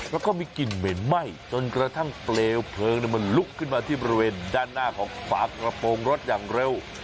แล้วก็มีกลิ่นเหม็นไหม้จนกระทั่งเปลวเพลิงมันลุกขึ้นมาที่บริเวณด้านหน้าของฝากระโปรงรถอย่างเร็ว